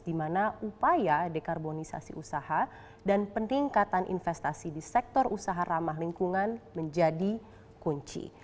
di mana upaya dekarbonisasi usaha dan peningkatan investasi di sektor usaha ramah lingkungan menjadi kunci